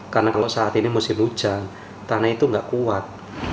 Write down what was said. karena kalau saat ini musim hujan tanah itu nggak kuat